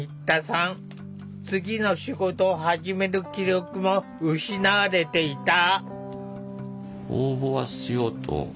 次の仕事を始める気力も失われていた。